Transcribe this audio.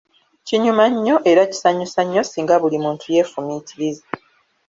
Kinyuma nnyo era kisanyusa nnyo singa buli muntu yeefumiitiriza.